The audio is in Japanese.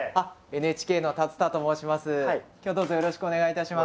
ＮＨＫの竜田と申します。